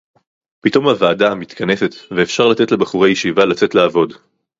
פתאום הוועדה מתכנסת ואפשר לתת לבחורי ישיבה לצאת לעבוד